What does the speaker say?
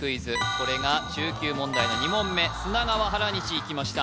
これが中級問題の２問目砂川原西いきました